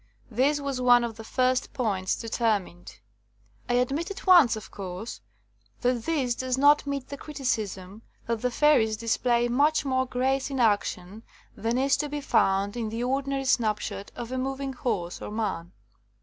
This was one of the first points determined. ''I admit at once, of course, that this does not meet the criticism that the fairies dis play much more grace in action than is to be found in the ordinary snapshot of a mov ing horse or man.